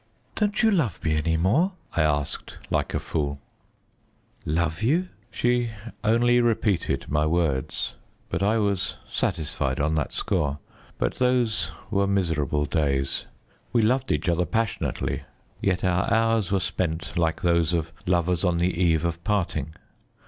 "Don't you love me any more?" I asked like a fool. "Love you?" She only repeated my words, but I was satisfied on that score. But those were miserable days. We loved each other passionately, yet our hours were spent like those of lovers on the eve of parting.